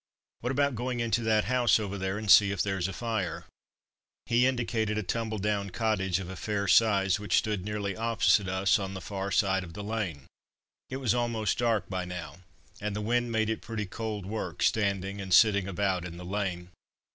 "What about going into that house over there and see if there's a fire?" He indicated a tumbled down cottage of a fair size, which stood nearly opposite us on the far side of the lane. It was almost dark by now, and the wind made it pretty cold work, standing and sitting about in the lane.